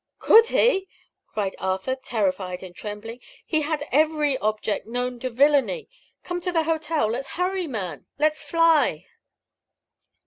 "Could he?" cried Arthur, terrified and trembling. "He had every object known to villainy. Come to the hotel! Let's hurry, man let's fly!"